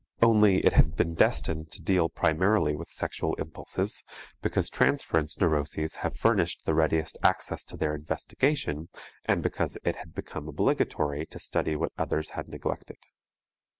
Only it has been destined to deal primarily with sexual impulses, because transference neuroses have furnished the readiest access to their investigation, and because it had become obligatory to study what others had neglected.